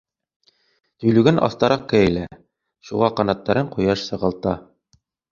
Төйлөгән аҫтараҡ кәйелә, шуға ҡанаттарын ҡояш сағылта.